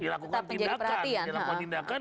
dilakukan tindakan dan bisa pidana bahkan